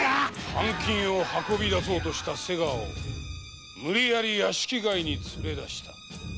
藩金を運び出そうとした瀬川を無理矢理屋敷外に連れ出した。